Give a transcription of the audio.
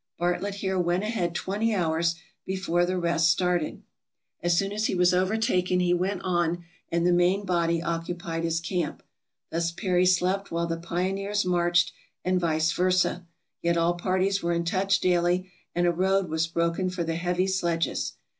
Bartlett here went ahead 20 hours before the rest started. As soon as he was overtaken he went on and the main body occupied his camp; thus Peary slept while the pioneers marched, and vice versa, yet all parties were in touch daily, and a road was broken for the heavy sledges.